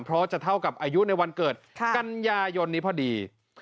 เพราะจะเท่ากับอายุในวันเกิดกันยายนนี้พอดี